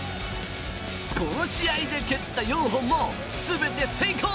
この試合で蹴った４本もすべて成功。